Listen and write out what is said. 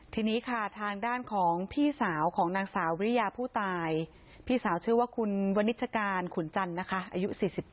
ทีนี้ค่ะทางด้านของพี่สาวของนางสาววิริยาผู้ตายพี่สาวชื่อว่าคุณวนิชการขุนจันทร์นะคะอายุ๔๗